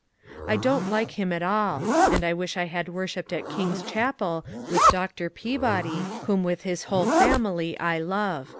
I don't like him at all, and wish I had worshipped at King's Chapel with Mr. Pea body, whom with his whole family I love."